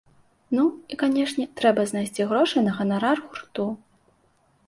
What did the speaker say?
Ну, і канешне, трэба знайсці грошы на ганарар гурту.